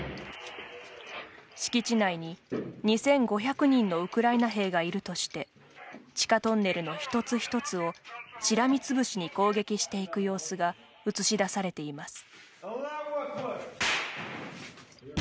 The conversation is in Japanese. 敷地内に２５００人のウクライナ兵がいるとして地下トンネルのひとつひとつをしらみつぶしに攻撃していく様子が映し出されています。